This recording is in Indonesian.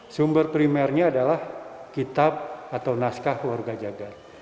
sumber primernya adalah kitab atau naskah warga jagat